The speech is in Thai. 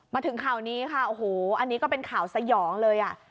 มาถึงข่าวนี้ค่ะโอ้โหอันนี้ก็เป็นข่าวสยองเลยอ่ะ